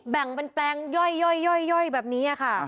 แบ่งเป็นแปลงย่อยแบบนี้ค่ะ